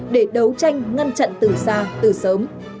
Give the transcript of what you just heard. để đấu tranh ngăn chặn từ xa từ sớm